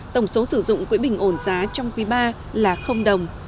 tổng số sử dụng quỹ bình ổn giá trong quỹ ba là đồng